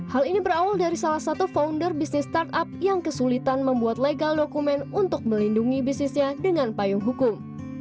hal ini berawal dari salah satu founder bisnis startup yang kesulitan membuat legal dokumen untuk melindungi bisnisnya dengan payung hukum